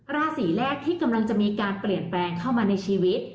ราศีแรกที่กำลังจะมีการเปลี่ยนแปลงเข้ามาในชีวิต